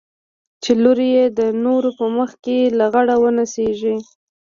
چې لور يې د نورو په مخ کښې لغړه ونڅېږي.